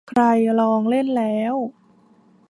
ใครลองเล่นแล้ว